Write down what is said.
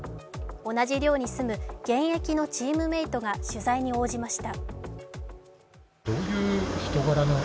同じ寮に住む、現役のチームメートが取材に応じました。